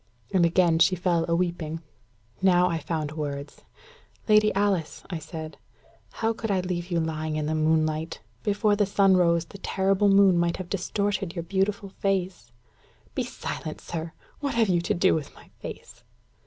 And again she fell a weeping. Now I found words. "Lady Alice," I said, "how could I leave you lying in the moonlight? Before the sun rose, the terrible moon might have distorted your beautiful face." "Be silent, sir. What have you to do with my face?"